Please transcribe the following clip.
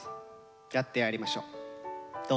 やってやりましょう。